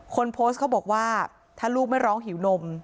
คนโพสต์เขาบอกว่าถ้าลูกไม่ร้องหิวนม